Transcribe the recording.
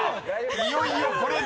いよいよこれで］